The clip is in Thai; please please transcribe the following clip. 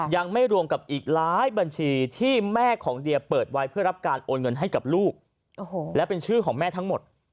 ยังไม่รวมกับอีกหลายบัญชีที่แม่ของเดียเปิดไว้เพื่อรับการโอนเงินให้กับลูกและเป็นชื่อของแม่ทั้งหมด